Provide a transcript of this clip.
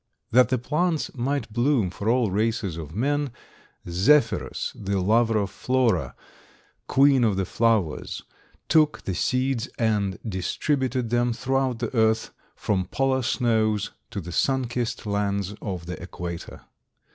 That the plants might bloom for all races of men, Zephyrus, the lover of Flora, queen of the flowers, took the seeds and distributed them throughout the earth from polar snows to the sun kissed lands of the equator.